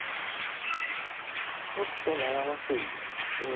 ちょっと悩ましい。